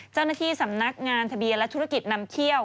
เจ้าหน้าที่สำนักงานทะเบียนและธุรกิจนำเขี้ยว